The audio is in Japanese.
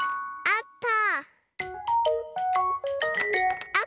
あった！